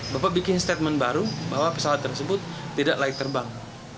bapak bikin statement baru bahwa pesawat tersebut tidak layak terbang